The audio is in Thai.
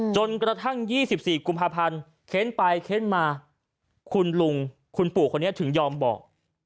จนกระทั่ง๒๔กุมภาพันธ์เค้นไปเค้นมาคุณลุงคุณปู่คนนี้ถึงยอมบอก